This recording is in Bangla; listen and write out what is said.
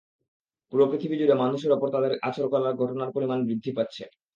পুরো পৃথিবীজুড়ে মানুষের ওপর তাদের আছর করার ঘটনার পরিমাণ বৃদ্ধি পাচ্ছে।